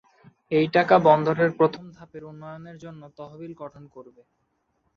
এই টাকা বন্দরের প্রথম ধাপের উন্নয়নের জন্য তহবিল গঠন করবে।